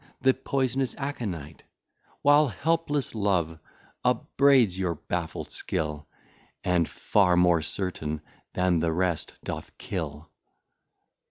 the poisonous Achonite? While helpless Love upbraids your baffl'd skill, And far more certain, than the rest, doth kill.